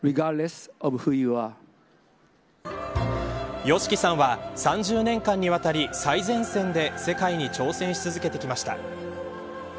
ＹＯＳＨＩＫＩさんは３０年間にわたり最前線で世界に挑戦し続けてきました。